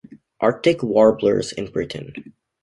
Arctic warblers in Britain.